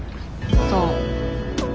そう。